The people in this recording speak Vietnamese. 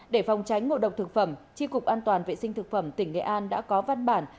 để phòng tránh ngộ độc thực phẩm tri cục an toàn vệ sinh thực phẩm tỉnh nghệ an đã có văn bản